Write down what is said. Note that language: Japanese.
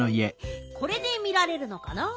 これで見られるのかな？